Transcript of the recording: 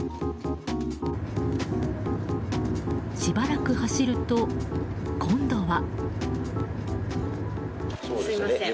しばらく走ると、今度は。